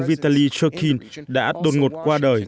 vitaly churkin đã đột ngột qua đời